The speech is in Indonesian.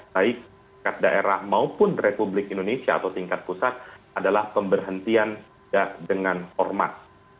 baik tingkat daerah maupun republik indonesia atau tingkat pusat adalah pemberhentian dengan hormat